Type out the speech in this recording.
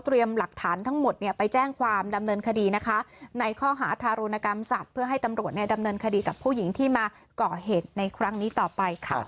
ที่มาเกาะเหตุในครั้งนี้ต่อไปค่ะ